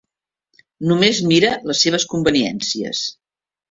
Només mira les seves conveniències.